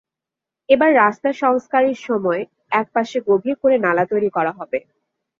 এবার রাস্তা সংস্কারের সময়এক পাশে গভীর করে নালা তৈরি করা হবে।